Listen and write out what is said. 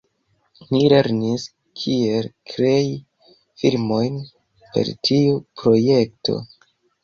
Ni lernis kiel krei filmojn per tiu projekto.